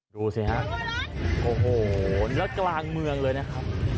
ดูสิฮะโอ้โหแล้วกลางเมืองเลยนะครับ